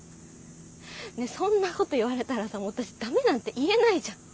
そんなこと言われたらさ私ダメなんて言えないじゃん。